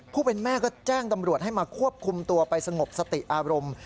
ผู้เป็นแม่ก็แจ้งตำรวจให้มาควบคุมตัวไปสงบสติอารมณ์